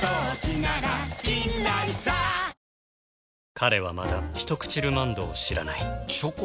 彼はまだ「ひとくちルマンド」を知らないチョコ？